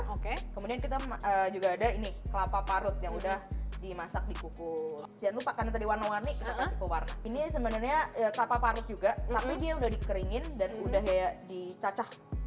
oke kemudian kita juga ada ini kelapa parut yang udah dimasak dikuku jangan lupa karena tadi warna warni kita kasih pewarna ini sebenarnya kelapa parut juga tapi dia udah dikeringin dan udah kayak dicacah